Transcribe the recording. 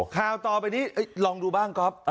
ข่าวต่อไปนี้ลองดูบ้างก๊อฟ